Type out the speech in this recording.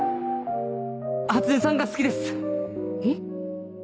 初音さんが好きですへっ？